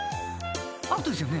アウトですよね？